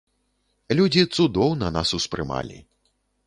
Людзі цудоўна нас успрымалі!